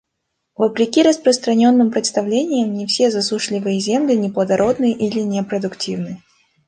Вопреки распространенным представлениям, не все засушливые земли неплодородны или непродуктивны.